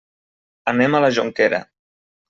Anem a la Jonquera.